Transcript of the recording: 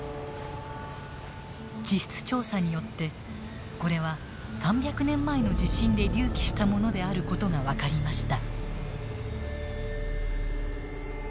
地質調査によってこれは３００年前の地震で隆起したものである事が分かりました。